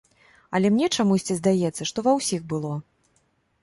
Але мне чамусьці здаецца, што ва ўсіх было.